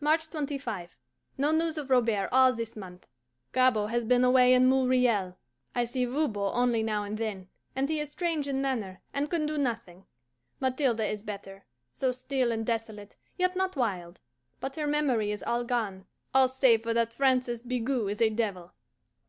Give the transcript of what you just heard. March 25. No news of Robert all this month. Gabord has been away in Montreal. I see Voban only now and then, and he is strange in manner, and can do nothing. Mathilde is better so still and desolate, yet not wild; but her memory is all gone, all save for that "Francois Bigot is a devil."